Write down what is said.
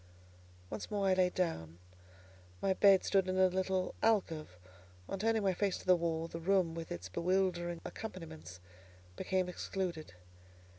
Once more I lay down. My bed stood in a little alcove; on turning my face to the wall, the room with its bewildering accompaniments became excluded.